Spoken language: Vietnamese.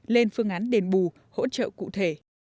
lên phương án đền bù hỗ trợ cụ thể